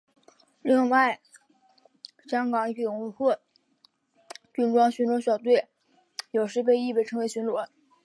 另香港警务处军装巡逻小队有时亦被称为巡警。